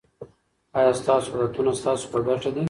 آیا ستاسو عادتونه ستاسو په ګټه دي.